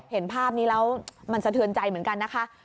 เห็นภาพนี้แล้วมันสะเทือนใจเหมือนกันนะคะ